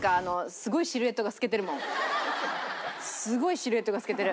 すごいシルエットが透けてる。